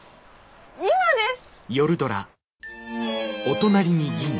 今です！